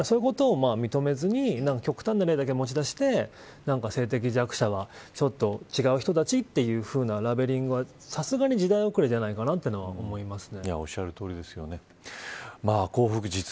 そういうことを認めずに極端な例だけ持ち出して性的弱者はちょっと違う人たちというふうなラベリングは、さすがに時代遅れじゃないかなと思います。